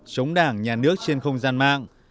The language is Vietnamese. chống đảng nhà nước trên không gian mạng